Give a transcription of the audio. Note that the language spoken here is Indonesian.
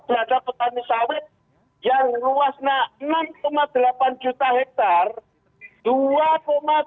terhadap petani sawit yang luasnya enam delapan juta hektare